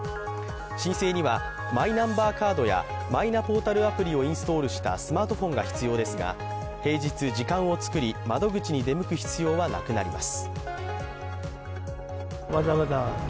申請にはマイナンバーカードやマイナポータルアプリをインストールしたスマートフォンが必要ですが、平日、時間を作り窓口に出向く必要はなくなります。